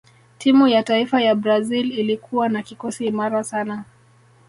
timu ya taifa ya brazil ilikuwa na kikosi imara sana